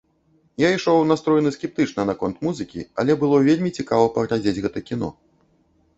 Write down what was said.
Я ішоў настроены скептычна наконт музыкі, але было вельмі цікава паглядзець гэта кіно.